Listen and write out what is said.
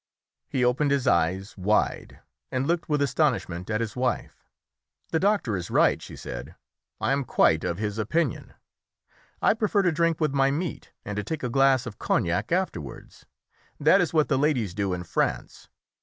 He opened his eyes wide and looked with astonishment at his wife. "The doctor is right," she said. "I am quite of his opinion. I prefer to drink with my meat, and to take a glass of cognac afterwards. That is what the ladies do in France.